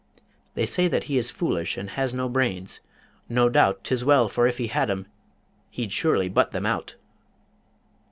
They say that he is foolish, And has no brains. No doubt 'Tis well for if he had 'em He'd surely butt them out.